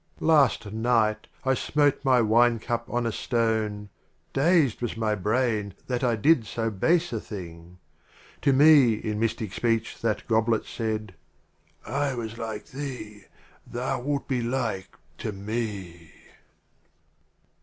Last night I smote my Wine Cup on a Stone — Dazed was my Brain that I did so base a thing! — To me in mystic Speech that Gob let said, "I was like thee, — thou wilt be like to me!"